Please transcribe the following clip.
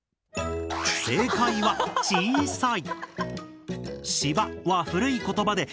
正解は「小さい」。